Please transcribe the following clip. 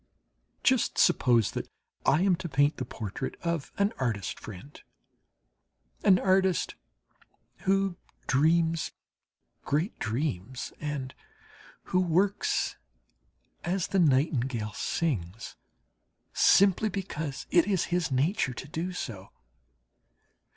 Just suppose that I am to paint the portrait of an artist friend an artist who dreams great dreams and who works as the nightingale sings, simply because it is his nature to do so.